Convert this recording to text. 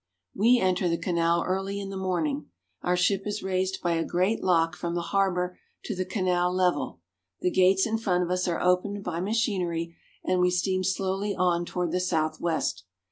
We enter the canal early in the morning. Our ship is raised by a great lock from the harbor to the canal level ; the gates in front of us are opened by machinery, and we steam slowly on toward the southwest.